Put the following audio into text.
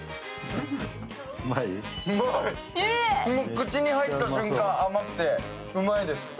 口に入った瞬間甘くて、うまいです。